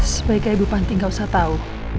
sebaiknya ibu panti gak usah tahu